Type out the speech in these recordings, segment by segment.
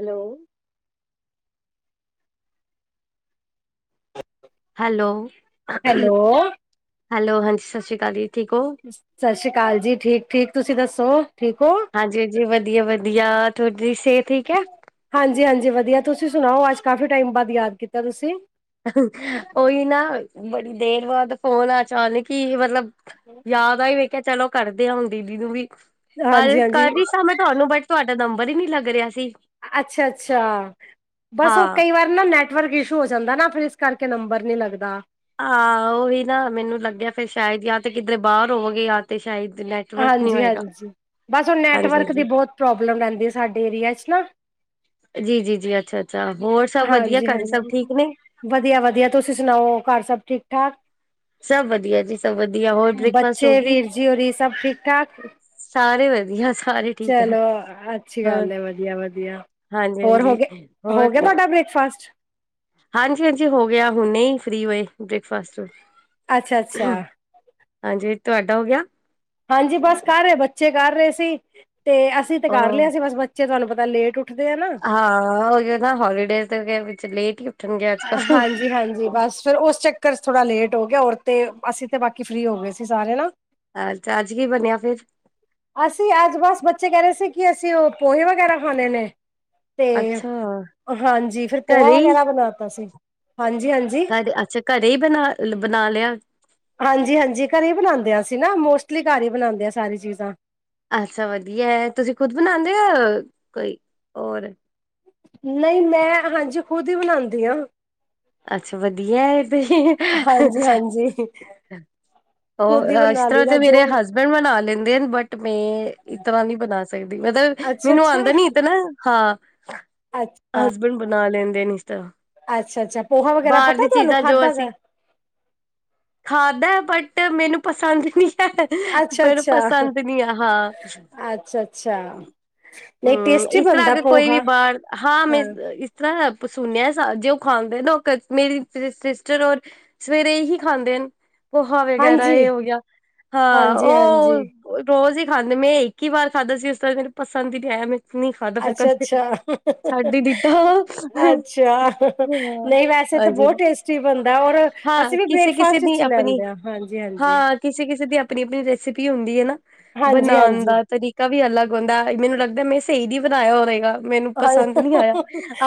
Hello hello hello, hello, ਹਾਂਜੀ ਸਸ ਸ੍ਰੀ ਕਾਲ ਜੀ। ਠੀਕ ਔ, ਸਤਿ ਸ੍ਰੀ ਅਕਾਲ ਜੀ ਠੀਕ-ਠੀਕ ਤੁਸੀਂ ਦੱਸੋ ਠੀਕ ਹੋ? ਹਾਂਜੀ ਜੀ, ਵਧੀਆ-ਵਧੀਆ। ਤੁਹਾਡੀ ਸੇਤ ਠੀਕ ਐ? ਹਾਂਜੀ-ਹਾਂਜੀ ਵਧੀਆ ਤੁਸੀਂ ਸੁਣਾਓ ਅੱਜ ਕਾਫੀ ਟਾਈਮ ਬਾਦ ਯਾਦ ਕੀਤਾ ਤੁਸੀਂ। ਉਹੀ ਨਾ ਬੜੀ ਦੇਰ ਬਾਦ ਫੋਨ ਅਚਾਨਕ ਈ ਮਤਲਬ ਯਾਦ ਆਈ ਮੈਂ ਕਿਆ ਚਲੋ ਕਰਦੇ ਆ ਹੁਣ ਦੀਦੀ ਨੂੰ ਵੀ। ਕੱਲ ਹਾਂਜੀ-ਹਾਂਜੀ ਕਰਰੀ ਸਾਂ ਮੈਂ ਤੁਹਾਨੂੰ ਬਟ ਤੁਹਾਡਾ ਨੰਬਰ ਹੀ ਨੀ ਲੱਗ ਰਿਹਾ ਸੀ। ਅੱਛਾ-ਅੱਛਾ ਬਸ ਉਹ ਹਾਂ ਕਈ ਵਾਰ ਨਾ ਨੈਟਵਰਕ ਇਸ਼ੂ ਹੋ ਜਾਂਦਾ ਨਾ ਫੇਰ ਇਸ ਕਰਕੇ ਨੰਬਰ ਨੀ ਲੱਗਦਾ। ਹਾਂ ਉਹੀ ਨਾ ਮੈਨੂੰ ਲੱਗਿਆ ਫੇਰ ਸ਼ਾਇਦ ਜਾਂ ਤੇ ਕਿਧਰੇ ਬਾਹਰ ਹੋਵੋਗੇ ਯਾ ਤੇ ਸ਼ਾਇਦ ਨੈ ਹਾਂਜੀ-ਹਾਂਜੀ ਬਸ ਉਹ ਹਾਂਜੀ ਨੈਟਵਰਕ ਹਾਂਜੀ ਦੀ ਬਹੁਤ ਪ੍ਰੋਬਲਮ ਰਹਿੰਦੀ ਆ ਸਾਡੇ ਏਰੀਆ ਚ ਨਾ। ਜੀ, ਜੀ, ਜੀ ਅੱਛਾ-ਅੱਛਾ ਹੋਰ ਸਭ ਵਧੀਆ ਘਰੇ ਸਭ ਹਾਂਜੀ-ਹਾਂਜੀ ਠੀਕ ਨੇ। ਵਧੀਆ-ਵਧੀਆ ਤੁਸੀਂ ਸੁਣਾਓ ਘਰ ਸਭ ਠੀਕ-ਠਾਕ। ਸਭ ਵਧੀਆ ਜੀ, ਸਭ ਵਧੀਆ ਹੋਰ ਬ੍ਰੇਕਫਾਸਟ ਹੋ ਬੱਚੇ ਗਈ। ਵੀਰ ਜੀ ਹੋਰੀ [unintelligible] ਸਾਰੇ ਵਧੀਆ ਸਾਰੇ ਠੀਕ ਆ ਚਲੋ ਅੱਛੀ ਹੋਰ ਗੱਲ ਏ ਵਧੀਆ-ਵਧੀਆ। ਹਾਂਜੀ ਹੋਰ ਹਾਂਜੀ ਹੋਗੇ ਹੋ ਗਿਆ ਤੁਹਾਡਾ ਬ੍ਰੇਕਫਾਸਟ। ਹਾਂਜੀ-ਹਾਂਜੀ ਹੋ ਗਿਆ ਹੁਣੇ ਹੀ ਫ੍ਰੀ ਹੋਏ ਬ੍ਰੇਕਫਾਸਟ ਅੱਛਾ-ਅੱਛਿਆ ਹਾਂਜੀ, ਤੁਹਾਡਾ ਹੋ ਗਿਆ? ਹਾਂਜੀ, ਬਸ ਕਰ ਰਹੇ ਬੱਚੇ ਕਰ ਰਹੇ ਸੀ, ਤੇ ਅਸੀਂ ਤੇ ਕਰ ਉਹ ਲਿਆ ਸੀ ਬਸ ਬ ਚੇ ਤੁਹਾਨੂੰ ਪਤਾ ਲੇਟ ਉੱਠਦੇ ਆ ਨਾ। ਹਾਂ, ਓਹੀਓ ਨਾ ਹੋਲੀਡੇਜ [unintelligible] ਲੇਟ ਹੀ ਉੱਠਣਗੇ ਅੱਜ ਕੱਲ ਹਾਂਜੀ-ਹਾਂਜੀ ਬਸ ਫੇਰ ਉਸ ਚੱਕ ਰ ਚ ਥੋੜਾ ਲੇਟ ਹੋ ਗਿਆ ਔਰ ਤੇ ਅਸੀਂ ਤੇ ਬਾਕੀ ਫ੍ਰੀ ਹੋ ਗਏ ਸੀ ਸਾਰੇ ਨਾ। ਅੱਛਾ, ਅੱਜ ਕੀ ਬਣਿਆ ਫੇਰ? ਅਸੀਂ ਅੱਜ ਬਸ ਬੱਚੇ ਕਹਿ ਰਹੇ ਸੀ ਕਿ ਅਸੀਂ ਉਹ ਪੋਹੇ ਵਗੈਰਾ ਖਾਣੇ ਨੇ। ਤੇ, ਅੱਛਾ ਹਾਂਜੀ ਫੇਰ ਪੋਹਾ ਵਗੈਰਾ ਬਣਾਤਾ ਸੀ। ਹਾਂਜੀ-ਹਾਂਜੀ, ਘਰ ਅੱਛਾ ਘਰੇ ਹੀ ਬਣਾ ਬਣਾ ਲਿਆ। ਹਾਂਜੀ-ਹਾਂਜੀ ਘਰੇ ਹੀ ਬਣਾਂਦੇ ਆ ਅਸੀ ਨਾ ਮੋਸਟਲੀ ਘਰ ਹੀ ਬਣਾਂਦੇ ਆ ਸਾਰੀ ਚੀਜ਼ਾਂ। ਅੱਛਾ, ਵਧੀਆ ਐ ਤੁਸੀਂ ਖੁਦ ਬਣਾਂਦੇ ਓ, ਕੋਈ ਔਰ। ਨਈ ਮੈਂ ਹਾਂਜੀ ਖੁਦ ਹੀ ਬਣਾਂਦੀ ਆਂ। ਅੱਛਾ ਵਧੀਆ ਇਹ ਤੇ ਹਾਂਜੀ-ਹਾਂਜੀ ਉਹ ਖੁਦ ਹੀ ਇਸ ਬਣਾ ਤਰ੍ਹਾਂ ਲਈਦਾ ਤੇ ਜੋ ਮੇਰੇ ਹਸਬੈਂਡ ਬਣਾ ਲੈਂਦੇ ਨੇ ਬਟ, ਮੈਂ ਇਸ ਤਰ੍ਹਾਂ ਨਹੀਂ ਬਣਾ ਸਕਦੀ ਮਤਲਬ ਅੱਛਾ ਮੈਨੂੰ ਅੱਛਾ ਆਂਦਾ ਨੀ ਇਤਨਾ ਹਾਂ, ਹਸਬੈਂਡ ਬਣਾ ਲੈਂਦੇ ਨੇ ਇਸ ਤਰ੍ਹਾਂ। ਅੱਛਾ-ਅੱਛਾ, ਪੋਹਾ ਵਗੈਰਾ ਬਾਹਰ ਪਤਾ ਦੀ ਤੁਹਾਨੂੰ ਚੀਜ਼ਾਂ ਖਾਧਾ ਗਾ? ਖਾਂਦਾ ਬਟ ਮੈਨੂੰ ਪਸੰਦ ਨਈ ਹੈ ਅੱਛਾ ਪਰ ਅੱਛਾ ਪਸੰਦ ਨੀ ਆਂ, ਹਾਂ ਅੱਛਾ ਅੱਛਾ ਨਹੀਂ ਹੂੰ, ਟੇਸਟੀ ਇਸ ਤਰ੍ਹਾਂ ਬਣਦਾ ਅਗਰ ਕੋਈ ਵੀ ਪੋਹਾ ਬਾਹਰ ਹਾਂ, ਮੈਂ ਅ ਸੁਣਿਆ ਸਾ, ਜੇ ਉਹ ਖਾਂਦੇ ਨੋ ਮੇਰੀ ਸ ਸਿਸਟਰ ਔਰ ਸਵੇਰੇ ਏਹੀ ਖਾਂਦੇ ਨ। ਪੋਹਾ ਵਗੈਰਾ ਹਾਂਜੀ ਇਹ ਹੋ ਗਿਆ, ਹਾਂ ਹਾਂਜੀ ਹਾਂਜੀ ਉਹ ਰੋਜ਼ ਹੀ ਖਾਂਦੇ ਮੈਂ ਇੱਕ ਹੀ ਵਾਰ ਖਾਂਦਾ ਸੀ ਉਸ ਕਰਕੇ ਮੈਨੂੰ ਪਸੰਦ ਹੀ ਨਹੀਂ ਆਇਆ ਮੈਂ ਨਹੀਂ ਖਾਧਾ ਫਿਰ ਅੱਛਾ, ਕਦੇ ਅੱਛਾ, ਛੱਡ ਹੀ ਦਿੱਤਾ। ਅੱਛਾ ਹਾਂ, ਨਈ ਵੈਸੇ ਤ ਤਾਂ ਹਾਂਜੀ ਬਹੁਤ ਟੇਸਟੀ ਬਣਦਾ ਔਰ ਹਾਂ ਅਸੀਂ ਵੀ ਕਿਸੇ ਕਿਸੇ ਬ੍ਰੇਕਫਾਸਟ ਦੀ ਵਿੱਚ ਹੀ ਆਪਣੀ ਲੈਂਦੇ ਆ ਹਾਂਜੀ, ਹਾਂਜੀ ਹਾਂ ਕਿਸੀ-ਕਿਸੀ ਦੀ ਆਪਣੀ-ਆਪਣੀ ਰੈਸਿਪੀ ਹੁੰਦੀ ਆ ਨਾ ਹਾਂਜੀ ਬਣਾਨ ਹਾਂਜੀ ਦਾ ਤਰੀਕਾ ਵੀ ਅਲੱਗ ਹੁੰਦਾ ਮੈਨੂੰ ਲੱਗਦਾ ਮੈਂ ਸਹੀ ਨੀ ਬਣਾਇਆ ਹੋਵੇਗਾ ਮੈਨੂੰ ਪਸੰਦ ਨੀ ਆਇਆ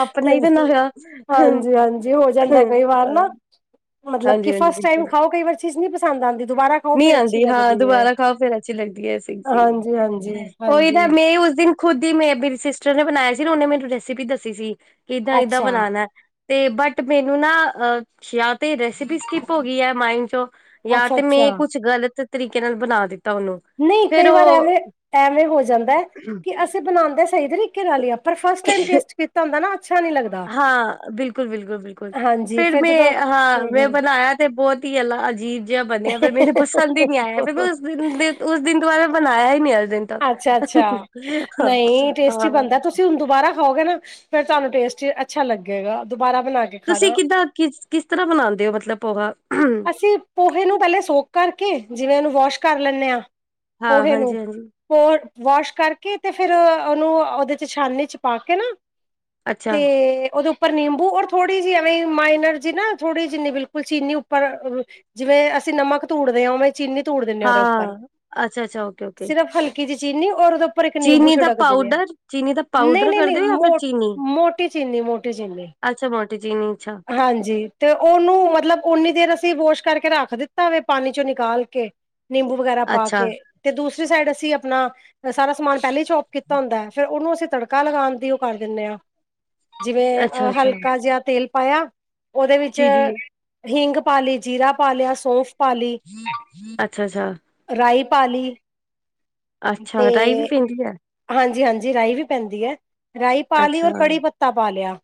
ਆਪਣਾ ਹੀ ਬਣਾਇਆ, ਹ ਹਾਂਜੀ ਹਾਂਜੀ ਹੋ ਜਾਂਦਾ ਹੂੰ, ਕਈ ਵਾਰ ਅਹ ਨਾ ਮਤਲਬ ਕਿ ਫਸਟ ਟੈਮ ਖਾਓ ਕਈ ਵਾਰ ਚੀਜ਼ ਨੀ ਪਸੰਦ ਆਂਦੀ ਦੁਬਾਰਾ ਖਾਓ ਨਹੀਂ ਫੇਰ ਅੱਛੀ ਆਉਂਦੀ ਹਾਂ ਲੱਗਦੀ ਏ। ਦੁਬਾਰਾ ਖਾਓ ਫੇਰ ਅੱਛੀ ਲੱਗਦੀ ਹੈ ਸਹੀ ਸਹੀ ਹੈ, ਉਹੀਦਾ ਹਾਂਜੀ ਮੈਂ ਉਸ ਦਿਨ ਖੁਦ ਹੀ ਮ ਮੇਰੀ ਸਿਸਟਰ ਨੇ ਬਣਾਇਆ ਸੀ ਨਾ, ਉਹਨੇ ਮੈਨੂੰ ਰੈਸਿਪੀ ਦੱਸੀ ਸੀ ਕਿ ਇਦਾਂ ਇਦਾਂ ਅੱਛਾ, ਬਣਾਉਣਾ ਤੇ ਬਟ ਮੈਨੂੰ ਨਾ, ਯਾ ਤੇ ਰੈਸੀਪੀ ਸਕਿਪ ਹੋ ਗਈ ਹੈ ਮਾਈਂਡ ਚੋ ਯ ਅੱਛਾ, ਤੇ ਅੱਛਾ ਮੈਂ ਕੁਛ ਗ਼ਲਤ ਤਰੀਕੇ ਨਾਲ ਬਣਾ ਦਿੱਤਾ ਉਹਨੂੰ ਨਹੀਂ ਫੇਰ ਕਈ ਵਾਰ ਉਹ ਐਵੇਂ ਐਵੇਂ ਹੋ ਜਾਂਦਾ ਹੈ, ਕਿ ਅਸੀਂ ਬਣਾਉਦੇ ਸਹੀ ਤਰੀਕੇ ਨਾਲ ਹੀ ਆਂ ਲੱਗਦਾ। ਹਾਂ ਬਿਲਕੁਲ ਬਿਲਕੁਲ ਬਿਲਕੁਲ ਹਾਂਜੀ ਫੇਰ ਮੈਂ ਜਦੋਂ ਹਾਂ ਹੂੰ, ਮੈਂ ਹੂੰ ਬਣਾਇਆ ਤੇ ਬਹੁਤ ਹੀ ਅ ਅਜੀਬ ਜਿਹਾ ਬਣਿਆ, ਫਿਰ ਮੈਨੂੰ ਪਸੰਦ ਹੀ ਨਹੀਂ ਆਇਆ ਫ ਉਸ ਦਿਨ ਉਸ ਦਿਨ ਤੋਂ ਬਾਅਦ ਮੈਂ ਬਣਾਇਆ ਹੀ ਨੀ ਹਰ ਦਿਨ ਤੱਕ ਅੱਛਾ ਅੱਛਾ, ਹਾਂ ਨਹੀਂ ਟੇਸਟੀ ਹਾਂ ਬਣਦਾ ਤੁਸੀਂ ਹੁਣ ਦੁਬਾਰਾ ਖਾਓਗੇ ਨਾ ਫੇਰ ਤੁਹਾਨੂੰ ਟੇਸਟ ਅੱਛਾ ਲੱਗੇਗਾ, ਦੁਬਾਰਾ ਬਣਾ ਕੇ ਤੁਸੀਂ ਖਾਣਾ ਕਿੱਦਾਂ ਕਿਸ ਕਿਸ ਤਰ੍ਹਾਂਹ ਬਨਾਉਂਦੇ ਹੋ, ਮਤਲਬ ਪੋਹਾਂ? ਅਸੀਂ ਪੋਹੇ ਨੂੰ ਪਹਿਲੇ ਸੋਕ ਕਰਕੇ, ਜਿਵੇਂ ਉਹਨੂੰ ਵਾਸ਼ ਕਰ ਲੈਂਦੇ ਹਾਂ ਹਾਂ ਪੋਹੇ ਹਾਂਜੀ ਨੂੰ ਹਾਂਜੀ ਵਾਸ਼ ਕਰਕੇ, ਤੇ ਫੇਰ ਉਹਨੂੰ ਉਹਦੇ ਚ ਛਾਨਨੀ ਚ ਪਾ ਕੇ ਨਾ ਅੱਛਾ ਤੇ ਉਹਦੇ ਉਪਰ ਨਿੰਬੂ ਔਰ ਥੋੜੀ ਜਿਹੀ ਐਵੇਂ ਮਾਈਨਰ ਜੀ ਨਾ ਥੋੜੀ ਜਿਨੀ ਬਿਲਕੁਲ ਚੀਨੀ ਉੱਰ ਪਰ ਜਿਵੇਂ ਅਸੀਂ ਨਮਕ ਥੁੜਦੇ ਆਂ ਉਵੇਂ ਚੀਨੀ ਥੁੜ ਦਿੰਨੇ ਆਂ ਉਹਦੇ ਉੱਪਰ, ਹਾਂ ਅੱਛਾ ਅੱਛਾ ਓਕੇ ਓਕੇ ਸਿਰਫ਼ ਹਲਕੀ ਚ ਚੀਨੀ ਔਰ ਉਹਦੇ ਉੱਪਰ ਇੱਕ ਨਿੰਬੂ ਚੀਨੀ ਦਾ ਛਿੜਕ ਦਿੰਣੇ ਆ, ਪਾਊਡਰ ਚੀਨੀ ਦਾ ਨਹੀਂ ਪਾਊਡਰ ਨਹੀਂ ਕਰਦੇ ਨਹੀਂ ਹੋ ਜਾਂ ਫਿਰ ਚੀਨੀ ਮੋਟੀ ਚੀਨੀ ਮੋਟੀ ਚੀਨੀ ਅੱਛਾ ਮੋਟੀ ਜੀਨੀ ਚਾ ਹਾਂਜੀ ਤੇ ਉਹਨੂੰ ਮਤਲਬ ਉਨੀ ਦੇਰ ਅਸੀਂ ਵੋਸ਼ ਕਰਕੇ ਰੱਖ ਦਿੱਤਾ ਵੇ, ਪਾਣੀ ਚੋਂ ਨਿਕਾਲ ਕੇ ਨਿੰਬੂ ਵਗੈਰਾ ਪਾ ਅੱਛਾ ਕੇ, ਤੇ ਦੂਸਰੀ ਸਾਈਡ ਅਸੀਂ ਆਪਣਾ ਸਾਰਾ ਸਮਾਨ ਪਹਿਲਾਂ ਹੀ ਚੋਪ ਕੀਤਾ ਹੁੰਦਾ, ਫਿਰ ਉਹਨੂੰ ਅਸੀਂ ਤੜਕਾ ਲਗਾਉਣ ਦੀ ਉਹ ਕਰ ਦਿੰਦੇ ਹਾਂ ਜਿਵੇਂ ਅੱਛਾ ਅਹ ਅੱਛਾ ਹਲਕਾ ਜਿਹਾ ਤੇਲ ਪਾਇਆ, ਉਹਦੇ ਵਿੱਚ ਜੀ ਜੀ ਹਿੰਗ ਪਾ ਲੀ, ਜੀਰਾ ਪਾ ਲਿਆ, ਸੌਫ ਅੱਛਾ ਅੱਛਾ ਰਾਈ ਪਾ ਲਈ ਅੱਛਾ ਰਾਈ ਵੀ ਤੇ ਪੀਂਦੀ ਹੈ ਹਾਂਜੀ ਹਾਂਜੀ ਰਾਈ ਵੀ ਪੈਂਦੀ ਹੈ, ਰਾਈ ਪਾ ਲਈ ਅੱਛਾ ਔਰ ਕੜੀ ਪੱਤਾ ਪਾ ਲਿਆ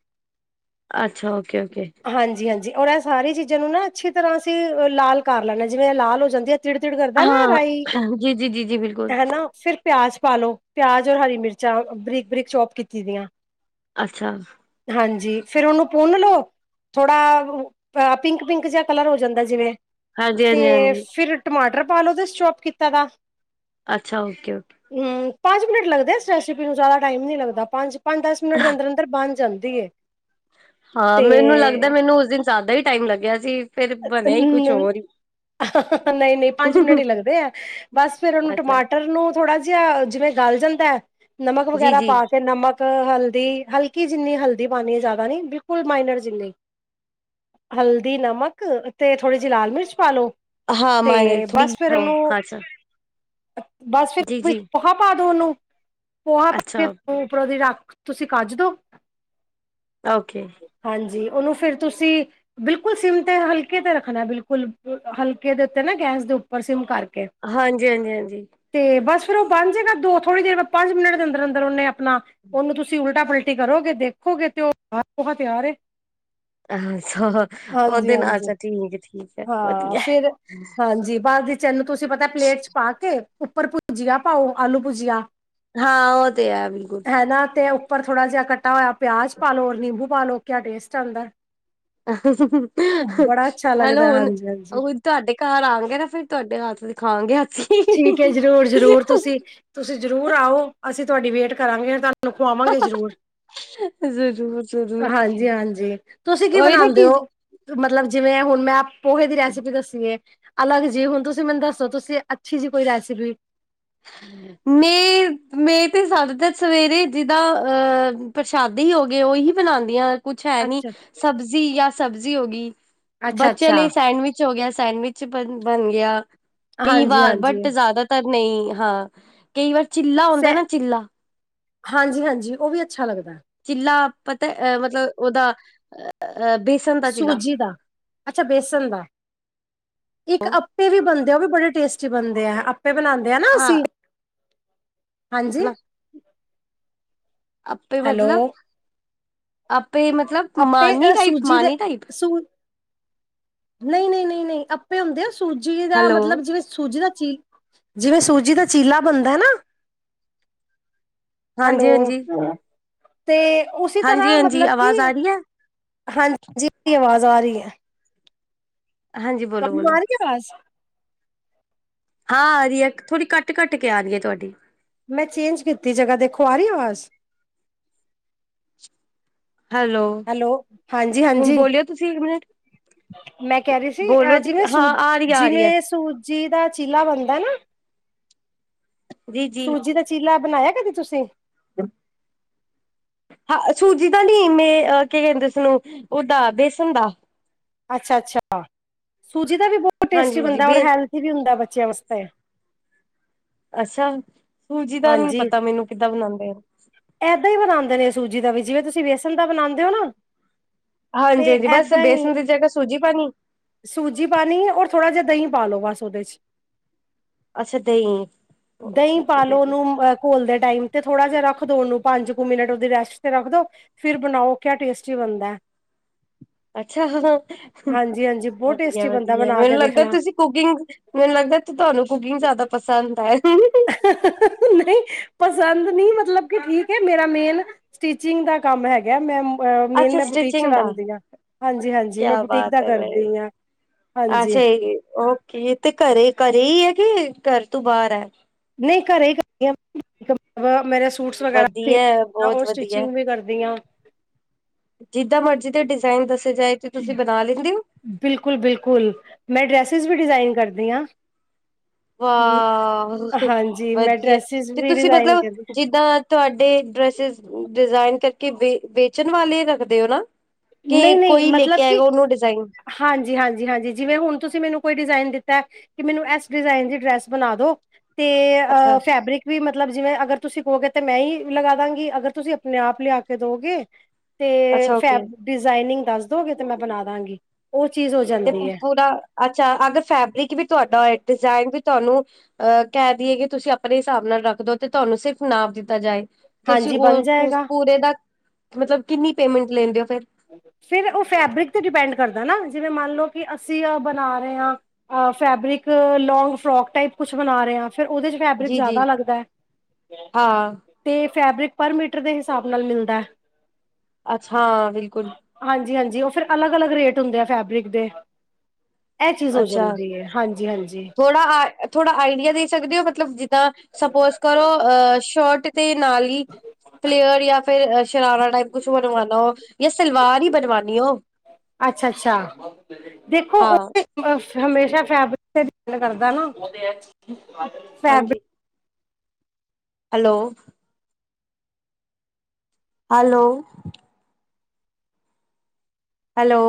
ਅੱਛਾ ਓਕੇ ਓਕੇ ਹਾਂਜੀ ਹਾਂਜੀ ਔਰ ਇਹ ਸਾਰੀ ਚੀਜ਼ਾਂ ਨੂੰ ਨਾ ਅੱਛੀ ਤਰ੍ਹਾਂਹ ਅਸੀਂਹ ਲਾਲ ਕਰ ਲੈਂਣਾ ਹੈ, ਜਿਵੇਂ ਇਹ ਲਾਲ ਹੋ ਜਾਂਦੀ ਹੈ ਤਿੜ ਤਿੜ ਕਰਦਾ ਨਾ ਹਾਂ ਰਾਈ, ਜੀ ਜੀ ਜੀ ਜੀ ਬਿਲਕੁਲ ਹੈਨਾ ਫਿਰ ਪਿਆਜ਼ ਪਾਲੋ ਪਿਆਜ ਔਰ ਹਰੀ ਮਿਰਚਾਂ ਬਰੀਕ ਬਰੀਕ ਚੋਪ ਕੀਤੀ ਦੀਆਂ ਅੱਛਾ ਹਾਂਜੀ ਫੇਰ ਉਹਨੂੰ ਪੁੰਨ ਲਓ ਥੋੜਾ ਪਿੰਕ ਪਿੰਕ ਜਿਹਾ ਕਲਰ ਹੋ ਜਾਂਦਾ ਜਿਵੇਂ ਹਾਂਜੀ ਤੇ ਹਾਂਜੀ ਹਾਂਜੀ ਫਿਰ ਟਮਾਟਰ ਪਾ ਲਓ, ਤੁਸੀ ਚੋਪ ਕੀਤਾ ਦਾ ਅੱਛਾ ਔਕੇ ਔਕੇ ਹਮ ਪੰਜ ਮਿੰਟ ਲੱਗਦੇ ਇਸ ਰੈਸਿਪੀ ਨੂੰ ਜ਼ਿਆਦਾ ਟਾਈਮ ਨੀ ਲੱਗਦਾ, ਪੰਜ ਪੰਜ ਦਸ ਮਿੰਟ ਦੇ ਅੰਦਰ ਅੰ ਫਿਰ ਬਣ ਜਾਂਦੀ ਏ ਹਾਂ ਮੈਨੂੰ ਲੱਗਦਾ ਮੈਨੂੰ ਉਸ ਦਿਨ ਜ਼ਿਆਦਾ ਹੀ ਟਾਈਮ ਲੱਗਿਆ ਸੀ, ਫੇਰ ਬਣਿਆ ਹੀ ਕੁਛ ਹੋਰ ਹੀ ਨਹੀਂ ਨਹੀਂ ਪੰਜ ਮਿੰਟ ਹੀ ਲੱਗਦੇ ਐ ਬਸ ਫੇਰ ਉਹਨੂੰ ਅੱਛਾ ਟਮਾਟਰ ਨੂੰ ਥੋੜਾ ਜਿਹਾ, ਜਿਵੇਂ ਗਲ ਜਾਂਦਾ ਹੈ ਨਮਕ ਵਗੈਰਾ ਪਾ ਕੇ ਨਮਕ ਅਹ ਹਲਦੀ ਹਲਕੀ ਜਿੰਨੀ ਹਲਦੀ ਪਾਉਣੀ ਹੈ ਜ਼ਿਆਦਾ ਨੀ ਬਿਲਕੁਲ ਮਾਈਨਰ ਜਿੰਨੀ। ਹਲਦੀ, ਨਮਕ ਤੇ ਥੋੜ੍ਹੀ ਜਿਹੀ ਲਾਲ ਮਿਰਚ ਪਾ ਲੋੋ। ਤੇ ਬਸ ਫੇਰ ਓਨੂੰ, ਬਸ ਫਿਰ ਪੋਹਾ ਪਾਦੋ ਓਨੂੰ, ਪੋਹਾ ਪਾ ਕੇ ਉਪਰੋਂ ਦੀ ਰਾਖ ਤੁਸੀਂ ਕੱਜ ਦੋ। ਓਕੇ। ਹਾਂਜੀ, ਓਨੂੰ ਫਿਰ ਤੁਸੀਂ ਬਿਲਕੁਲ ਸਿਮ ਤੇ ਹਲਕੇ ਤੇ ਰੱਖਣਾ ਬਿਲਕੁਲ ਹਲਕੇ ਦੇ ਉੱਤੇ ਨਾ ਗੈਸ ਦੇ ਉੱਪਰ ਸਿਮ ਕਾਰਕੇ। ਹਾਂਜੀ, ਹਾਂਜੀ, ਹਾਂਜੀ। ਤੇ ਬਸ ਫੇਰ ਓ ਬਣ ਜੇਗਾ, ਦੋ ਥੋੜ੍ਹੀ ਦੇਰ ਪੰਜ ਮਿੰਟ ਦੇ ਅੰਦਰ-ਅੰਦਰ ਓਨੇ ਅਪਣਾ ਓਨੂੰ ਤੁਸੀਂ ਉਲਟਾ-ਪਲਟੀ ਕਰੋਗੇ ਦੇਖੋਗੇ, ਤੇ ਓ ਪੋਹਾ ਤਿਆਰ ਏ। ਹਾਂਜੀ ਓਦੇ ਨਾਲ ਹਾਂਜੀ ਅੱਛਾ ਠੀਕੈ-ਠੀਕੈ ਹਾਂ ਵਧੀਐ। ਫਿਰ ਹਾਂਜੀ, ਬਾਦ ਚ ਬੱਚਿਆਂ ਨੂੰ ਤੁਸੀਂ ਪਤਾ ਪਲੇਟ ਚ ਪਾ ਕੇ ਉੱਪਰ ਪੂਜੀਆਂ ਪਾਓ, ਆਲੂ ਪੂਜੀਆਂ। ਹਾਂ, ਓ ਤੇ ਹੈ ਬਿਲਕੁਲ। ਹੈਨਾ ਤੇ ਉੱਪਰ ਥੋੜ੍ਹਾ ਜੇਆ ਕੱਟਾ ਹੋਆ ਪਿਆਜ ਪਾਲੋ, ਹੋਰ ਨਿੰਬੂ ਪਾਲ ਲੋ ਕਿਆ ਟੇਸਟ ਆਂਦੈ। ਅੱਛਾ ਹੈਲੋ ਲੱਗਦਾ ਹੁਣ ਹਾਂਜੀ ਹਾਂਜੀ ਤੁਆਡੇ ਘਰ ਆਨਗੇ ਨਾ ਫੇਰ ਤੁਆਡੇ ਹੱਥ ਖਾਵਾਂਗੇ ਅਸੀ। ਠੀਕ ਏ, ਜਰੂਰ-ਜਰੂਰ, ਤੁਸੀ ਤੁਸੀ ਜਰੂਰ ਆਓ, ਅਸੀ ਤੁਆਡੀ ਵੇਟ ਕਰਾਂਗੇ। ਤੁਆਨੂੰ ਤੁਆਨੂੰ ਖਵਾਵਾਂਗੇ ਜਰੂਰ। ਜ਼ਰੂਰ ਜ਼ਰੂਰ ਹਾਂਜੀ-ਹਾਂਜੀ, ਤੁਸੀਂ ਕੀ ਉਹੀ ਨਾ ਬਣਾਉਂਦੇ ਓ? ਕਿ ਮਤਲਬ ਜਿਵੇਂ ਹੋਣ ਮੈਂ ਪੋਹੇ ਦੀ ਰੈਸਪੀ ਦੱਸੀਏ, ਅਲੱਗ ਜੀ ਹੁਨ ਤੁਸੀਂ ਮੈਨੂੰ ਦੱਸੋ ਤੁਸੀਂ ਅੱਛੀ ਜੀ ਕੋਈ ਰੈਸਿਪੀ। ਮੇ ਮੇ ਤੇ ਜਾਦਾਤਰ ਸਵੇਰੇ ਜਿੰਦਾ ਅ ਪ੍ਰਸ਼ਾਦ ਦੀ ਹੋ ਗਏ ਓਹੀ ਬਣਾਦੀਆਂ। ਕੁਛ ਹੈਨੀ। ਅੱਛਾ ਸਬਜ਼ੀ ਜਾਂ ਸਬਜ਼ੀ ਹੋ ਗਈ, ਬੱਚੇਆਂ ਅੱਛਾ ਲਈ ਸੈਂਡਵਿਚ ਵਿਚ ਹੋ ਗਿਆ ਸੈਂਡਵਿਚ ਬ ਬਣ ਗਿਆ, ਕਈ ਹਾਂਜੀ ਵਾਰ ਬਟ ਹਾਂਜੀ ਜ਼ਿਆਦਾ ਤਾਂ ਨਈਂ ਹਾਂ, ਕਈ ਵਾਰ ਚਿੱਲਾ ਹੁੰਦਾ ਨਾ ਚਿੱਲਾ। ਹਾਂਜੀ-ਹਾਂਜੀ, ਓ ਵੀ ਅੱਛਾ ਲੱਗਦਾ। ਚਿੱਲਾ ਪਤਾ ਅ ਮਤਲਬ ਓਦਾ ਬੇਸ ਸੂਜੀ ਦਾ ਅੱਛਾ, ਬੇਸਨ ਦਾ। ਇੱਕ ਅੱਪੇ ਵੀ ਬਣਦੇ ਆ। ਓਵੀ ਬੜੇ ਟੇਸਟੀ ਬਣਦੇ ਆ ਅੱਪੇ ਬਣਾਉਦੇ ਆ ਨਾ ਹਾਂ ਅਸੀ। ਹਾਂਜੀ। ਅੱਪੇ ਹੈਲੋ ਮਤਲਬ ਅੱਪੇ ਮਤਲਬ ਆਪੇ ਮਾਨੀ ਅ ਟਾਈਪ ਸੂਜੀ ਮਾਨੀ ਟਾਈਪ। ਨਈਂ-ਨਈਂ, ਨਈਂ-ਨਈਂ ਅੱਪੇ ਹੁੰਦੇ ਆ ਸੂਜੀ ਦਾ ਹੈਲੋ ਮਤਲਬ ਜਿਵੇਂ ਸੂਜੀ ਦਾ ਚੀਜ ਜਿਵੇਂ ਸੂਜੀ ਦਾ ਚੀਲਾ ਬਣਦੈ ਨਾ ਹਾਂਜੀ ਹੈਲੋ, ਹਾਂਜੀ ਤੇ ਉਸੀ ਤਰ੍ਹਾਂ ਮਤਲਬ ਕਿ ਆਰਿਐ। ਹਾਂਜੀ, ਆਵਾਜ਼ ਆ ਰੀਐ। ਹਾਂਜੀ ਬੋਲੋ ਤੁਆਨੂੰ ਬੋਲੋ ਆ ਰੀਏ, ਆਵਾਜ਼? ਹਾਂ, ਆ ਰੀਏ, ਥੋੜ੍ਹੀ ਕੱਟ-ਕੱਟ ਕੇ ਆ ਰੀਏ ਤੁਆਡੀ। ਮੈਂ ਚੇਂਜ ਕੀਤੀ ਜਗ੍ਹਾ ਦੇਖੋ, ਆ ਰੀਏ ਆਵਾਜ਼? ਹੈਲੋ। ਹੈਲੋ, ਹੁਣ ਹਾਂਜੀ-ਹਾਂਜੀ। ਬੋਲਿਓ ਤੁਸੀਂ ਇੱਕ ਮਿੰਟ ਮੈਂ ਕੈ ਰੀਸੀ, ਬੋਲੋ ਜਿਵੇਂ ਸੂ ਹਾਂ ਆ ਰਹੀ ਆ ਰਹੀ ਹੈ ਜਿਵੇਂ ਸੂ ਜੀ ਦਾ ਚੀਲਾ ਬਣਦਾ ਨਾ, ਜੀ ਜੀ ਸੂਜੀ ਦਾ ਚੀਲਾ ਬਣਾਇਆ ਕਦੀ ਤੁਸੀ? [inaudible] ਹਾਂ, ਆਛੂ ਜੀਦਾ ਦੀ ਮੇ ਕੀ ਕਹਿੰਦੇ ਉਸਨੂੰ ਉਹਦਾ ਬੇਸਨ ਦਾ। ਅੱਛਾ-ਅੱਛਾ ਸੂਜੀ ਦਾ ਵੀ ਬੋਤ ਟੇਸਟੀ ਹਾਂਜੀ ਜੀ ਬਣਦਾ ਔਰ ਬੇ ਹੈਲਥੀ ਵੀ ਹੁੰਦਾ ਬੱਚਿਆਂ ਵਾਸਤੇ। ਅੱਛਾ ਸੂਜੀ ਦਾ ਨੀ ਹਾਂਜੀ ਪਤਾ ਮੈਨੂੰ ਕਿੱਦਾਂ ਬਣਾਉਂਦੇ ਆ। ਏਦਾਂ ਹੀ ਬਣਾਉਂਦੇ ਨੇ ਸੂਜੀ ਦਾ ਵੀ ਜਿਵੇਂ ਤੁਸੀਂ ਬੇਸਣ ਦਾ ਬਣਾਉਂਦੇ ਹੋ ਨਾ। ਤੇ ਹਾਂਜੀ-ਹਾਂਜੀ, ਬਸ ਏਦਾਂ ਹੀ ਬੇਸਨ ਦੀ ਜਗਾ ਸੂਜੀ ਪਾਣੀ। ਸੂਜੀ ਪਾਣੀ ਏ ਔਰ ਥੋੜਾ ਜਿਹਾ ਦਹੀਂ ਪਾ ਲਉ ਬਸ ਉਹਦੇ ਚ। ਅੱਛਾ ਦਹੀਂ, ਦਹੀਂ ਅੱਛਾ ਪਾ ਠੀਕ ਹੈ ਲੋ ਠੀਕ। ਉਹਨੂੰ ਘੋਲਦੇ ਟਾਈਮ ਤੇ ਥੋੜਾ ਜਿਹਾ ਰੱਖ ਦੋ ਉਹਨੂੰ ਪੰਜ ਕੁ ਮਿੰਟ ਉਹਦੀ ਰੈਸਟ ਤੇ ਰੱਖ ਦੋ। ਫਿਰ ਬਣਾਓ ਕਿਆ ਟੇਸਟੀ ਬਣਦਾ ਐ। ਅੱਛਾ ਜਦੋਂ ਹਾਂਜੀ ਹਾਂਜੀ ਬਹੁਤ ਟੇਸਟੀ ਬਣਦਾ ਵਧੀਆ-ਵਧੀਆ ਬਣਾ ਕੇ ਮੈਨੂੰ ਲੱਗਦਾ ਦੇਖਣਾ ਤੁਸੀਂ ਕੁਕਿੰਗ, ਮੈਨੂੰ ਲੱਗਦਾ ਤੇ ਤੁਹਾਨੂੰ ਕੁਕਿੰਗ ਜ਼ਿਆਦਾ ਪਸੰਦ ਹੈ? ਨਹੀਂ ਪਸੰਦ ਨਹੀਂ ਏ ਮਤਲਬ ਕਿ ਠੀਕ ਹੈ ਮੇਰਾ ਮੇਨ ਸਟਿਚਿੰਗ ਦਾ ਕੰਮ ਹੈਗਾ, ਮੈਂਮ। ਅ ਮੇਨ ਅੱਛਾ ਮੈਂ ਬੁਟੀਕ ਸਟਿਚਿੰਗ ਦਾ ਚਲਾਉਂਦੀ ਹਾਂ। ਹਾਂਜੀ-ਹਾਂਜੀ ਮੈਂ ਕਿਆ ਬੁਟੀਕ ਬਾਤ ਦਾ ਹੈ ਵੈਰੀ ਕਰਦੀ ਹਾਂ। ਅੱਛਾ ਹਾਂਜੀ ਓਕੇ ਤੇ ਘਰੇ- ਘਰੇ ਹੀ ਹੈ, ਕਿ ਘਰ ਤੋ ਬਾਹਰ ਹੈ? ਨਹੀਂ ਘਰੇ ਈ ਕਰਦੀ ਆ ਮੇਰੇ ਸੂਟਸ ਵਧੀਆ ਵਗੈਰਾਆਂ ਬਹੁਤ ਔਰ ਵਧੀਆ ਸਟਿਚਿੰਗ ਵੀ ਕਰਦੀਆਂ। ਜਿੱਦਾਂ ਮਰਜ਼ੀ ਦੇ ਡਿਜ਼ਾਇਨ ਦੱਸੇ ਜਾਏ ਤੇ ਤੁਸੀਂ ਬਣਾ ਲੈਂਦੇ ਹੋ? ਬਿਲਕੁਲ-ਬਿਲਕੁਲ। ਮੈਂ ਡਰੈਸਿਸ ਵੀ ਡਿਜ਼ਾਇਨ ਕਰਦੀ ਹਾਂ। [unintelligible] ਵਾਹ ਹਾਂਜੀ ਮੈਂ ਵਧੀਆ ਡਰੈਸਿਸ ਤੇ ਵੀ ਤੁਸੀਂ ਡਿਜ਼ਾਇਨ ਮਤਲਬ ਕਰਦੀ ਜਿੱਦਾਂ- ਤੁਹਾਡੇ ਡਰੈਸਿਸ ਡਿਜ਼ਾਇਨ ਕਰਕੇੇ ਵੇਚਣ ਵਾਲੇ ਰੱਖਦੇ ਹੋ ਨਾ। ਕਿ ਨਹੀਂ ਨਹੀਂ ਕੋਈ ਲੈ ਮਤਲਬ ਕੇ ਆਏਗਾ ਕਿ ਉਹਨੂੰ ਡਿਜ਼ਾਇਨ- ਹਾਂਜੀ- ਹਾਂਜੀ ਹਾਂਜੀ ਜਿਵੇਂ ਹੁਣ ਤੁਸੀਂ ਮੈਨੂੰ ਕੋਈ ਡਿਜ਼ਾਇਨ ਦਿੱਤਾ ਏ। ਕਿ ਮੈਨੂੰ ਇਸ ਡਿਜ਼ਾਇਨ ਦੀ ਡਰੈਸ ਬਣਾ ਦੋ, ਤੇ ਅ ਅੱਛਾ ਫੈਬਰਿਕ- ਵੀ ਮਤਲਬ ਜਿਵੇਂ ਅਗਰ ਤੁਸੀਂ ਕਹੋਗੇ ਤਾਂ ਮੈਂ ਹੀ ਲਗਾ ਦਾਂਗੀ ਅਗਰ ਤੁਸੀਂ ਆਪਣੇ ਆਪ ਲਿਆ ਕੇ ਦੋਗੇ- ਤੇ ਅੱਛਾ ਓਕੇ ਫੈਬ ਡਿਜ਼ਾਇਨਿੰਗ ਦੱਸ ਦੋਗੇ ਤੇ ਮੈਂ ਬਣਾ ਦਾਂਗੀ, ਉਹ ਚੀਜ਼ ਹੋ ਜਾਂ- ਤੇ ਪੂਰਾ ਅੱਛਾ ਅਗਰ ਫੈਬਰਿਕ ਵੀ ਤੁਹਾਡਾ ਏ ਡਿਜ਼ਾਇਨ ਵੀ ਤੁਹਾਨੂੰ- ਅਹ ਕਹਿ ਦੇਈਏ ਕਿ ਤੁਸੀਂ ਆਪਣੇ ਹਿਸਾਬ ਨਾਲ ਰੱਖਦੋ ਤੇ ਤੁਹਾਨੂੰ ਸਿਰਫ਼ ਨਾਪ ਦਿੱਤਾ ਜਾਏ। ਤੁਸੀਂ ਹਾਂਜੀ ਬਣ ਉਹ ਉਸ ਜਾਏਗਾ ਪੂਰੇ ਦਾ, ਮਤਲਬ ਕਿੰਨੀ ਪੇਮੈਂਟ ਲੈਂਦੇ ਹੋ ਫੇਰ। ਫਿਰ ਉਹ ਫੈਬਰਿਕ ਤੇ ਡਿਪੈਂਡ ਕਰਦਾ ਨਾ ਜਿਵੇਂ ਮੰਨ ਲਓ ਕਿ ਅਸੀਂ ਆ ਬਣਾ ਰਹੇ ਹਾਂ। ਫੈਬਰਿਕ ਲੌਗ ਫਰੋਕ ਟਾਈਪ ਕੁਛ ਬਣਾ ਰਹੇ ਆ। ਫੇਰ ਉਹਦੇ ਚ ਫੈਬਰਿਕ ਜੀ ਜੀ ਜ਼ਿਆਦਾ ਲੱਗਦਾ ਏ ਹਾਂ ਅਤੇ ਫੈਬਰਿਕ ਪਰ ਮੀਟਰ ਦੇ ਹਿਸਾਬ ਨਾਲ ਮਿਲਦਾ। ਅੱਛਾ ਬਿਲਕੁਲ। ਹਾਂਜੀ- ਹਾਂਜੀ ਉਹ ਫੇਰ ਅਲੱਗ- ਅਲੱਗ ਰੇਟ ਹੁੰਦੇ ਏ ਫੈਬਰਿਕ ਦੇ। ਇਹ ਚੀਜ਼ ਹੋ ਅੱਛਾ ਜਾਂਦੀ ਹੈ, ਹਾਂਜੀ- ਹਾਂਜੀ। ਥੋੜਾ ਥੋੜਾ ਆਈਡੀਆ ਦੇ ਸਕਦੇ ਹੋ ਮਤਲਬ ਜਿੱਦਾਂ ਸਪੋਜ ਕਰੋ ਸੋ਼ਟ- ਦੇ ਨਾਲ ਹੀ ਪਲੇਅਰ ਜਾਂ ਫੇਰ- ਸ਼ਰਾਰਾ ਟਾਈਪ ਕੁਛ ਬਣਵਾਉਣਾ ਉਹ ਜਾਂ ਸਲਵਾਰ ਹੀ ਬਣਵਾਨੀ ਹੋ। ਅੱਛਾ- ਅੱਛਾ। ਦੇਖੋ ਹਾਂ ਉਹ- ਹਮੇਸ਼ਾ ਫੈਬਰਿਕ ਤੇ ਡਿਪ ਕਰਦਾ ਨਾ- ਫੈਬ ਹਾਂਜੀ। Hello- hello- hello-